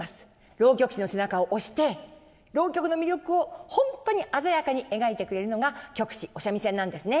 浪曲師の背中を押して浪曲の魅力を本当に鮮やかに描いてくれるのが曲師お三味線なんですね。